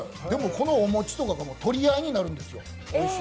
でもこのお餅取り合いになるんですよ。